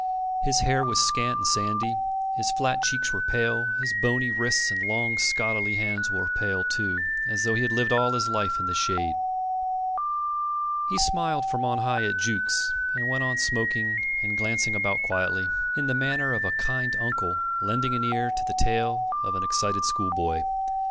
His hair was scant and sandy, his flat cheeks were pale, his bony wrists and long scholarly hands were pale, too, as though he had lived all his life in the shade. He smiled from on high at Jukes, and went on smoking and glancing about quietly, in the manner of a kind uncle lending an ear to the tale of an excited schoolboy.